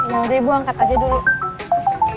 ya udah ibu angkat aja dulu